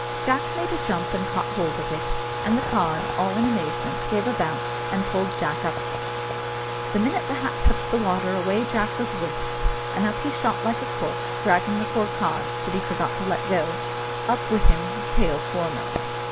Jack made a jump and caught hold of it, and the cod, all in amazement, gave a bounce and pulled Jack up The minute the hat touched the water away Jack was whisked, and up he shot like a cork, dragging the poor cod, that he forgot to let go, up with him tail foremost.